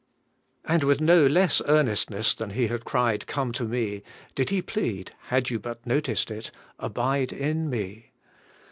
And with no less earnestness than He had cried, *Oome to me,' did He plead, had you but noticed it, ^ Abide in me.'